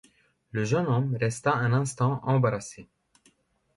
Le jeune homme resta un instant embarrassé.